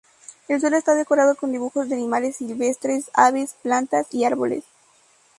El suelo está decorado con dibujos de animales silvestres, aves, plantas y árboles.